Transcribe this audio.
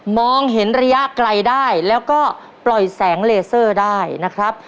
มองเห็นระยะไกลได้แล้วก็ปล่อยแสงเลเซอร์ได้นะครับ